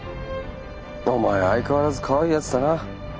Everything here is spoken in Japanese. お前は相変わらずかわいいヤツだな。